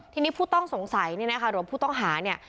ทีนี้ผู้ต้องสงสัยเนี่ยนะคะหรือผู้ต้องหาเนี่ย